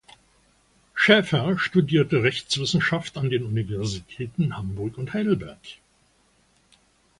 Schäfer studierte Rechtswissenschaft an den Universitäten Hamburg und Heidelberg.